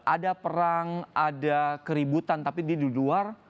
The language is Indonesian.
ada perang ada keributan tapi di luar